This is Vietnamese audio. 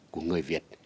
của người việt